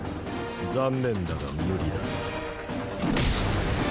残念だが無理だ。